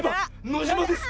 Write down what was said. ノジマです！